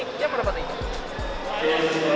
ini adalah angka yang paling tinggi